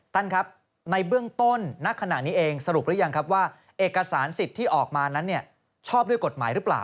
ท่านครับในเบื้องต้นณขณะนี้เองสรุปหรือยังครับว่าเอกสารสิทธิ์ที่ออกมานั้นชอบด้วยกฎหมายหรือเปล่า